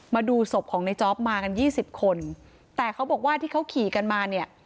มาดูศพของในจ๊อปมากันยี่สิบคนแต่เขาบอกว่าที่เขาขี่กันมาเนี่ย